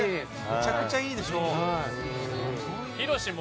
めちゃくちゃいいシーン。